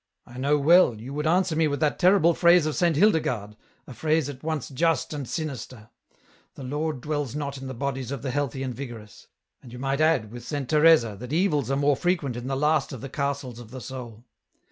I know well, you would answer me with that terrible phrase of Saint Hildegarde, a phrase at once just and sinister :* the Lord dwells not in the bodies of the healthy and vigorous/ and you might add, with Saint Teresa, that evils are more frequent in the last of the castles of the soul.